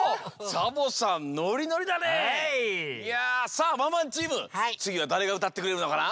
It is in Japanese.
さあワンワンチームつぎはだれがうたってくれるのかな？